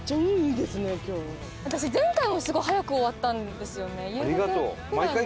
私前回もすごい早く終わったんですよね。